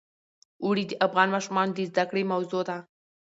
اوړي د افغان ماشومانو د زده کړې موضوع ده.